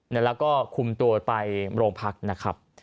แล้วก็คุมตัวไปโรงพักนะครับ